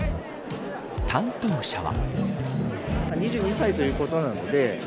担当者は。